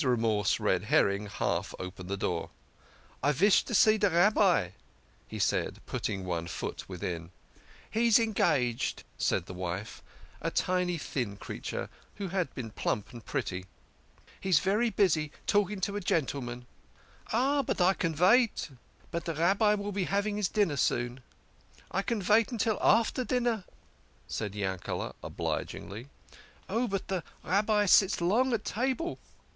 Remorse Red herring half opened the door. " I vish to see de Rabbi," he said, putting one foot within. 1 I VISH TO SEE DE RABBI.' ' 88 THE KING OF SCHNORRERS. " He is engaged," said the wife a tiny thin creature who had been plump and pretty. " He is very busy talking with a gentleman." " Oh, but I can vait." " But the Rabbi will be having his dinner soon." " I can vait till after dinner," said Yankel6 obligingly. " Oh, but the Rabbi sits long at table."